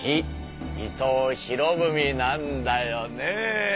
伊藤博文なんだよね。